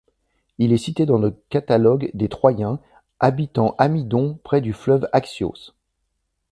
Il est cité dans le Catalogue des Troyens, habitant Amydon près du fleuve Axios.